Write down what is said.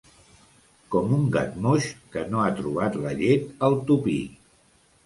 Com un gat moix que no ha trobat la llet al tupí.